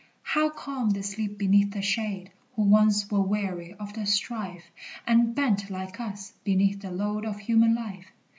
How calm they sleep beneath the shade Who once were weary of the strife, And bent, like us, beneath the load Of human life!